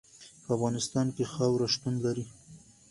په افغانستان کې خاوره شتون لري.